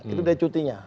itu dia cutinya